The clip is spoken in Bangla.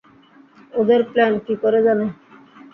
ওদের প্ল্যান কী কে জানে!